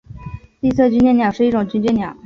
丽色军舰鸟是一种军舰鸟。